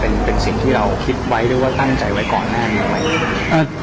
เป็นสิ่งที่เราคิดไว้หรือว่าตั้งใจไว้ก่อนหน้านี้ไหม